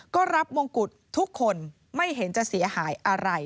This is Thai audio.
ก็รับมงกุฎทุกคนไม่เห็นจะเสียหายอะไร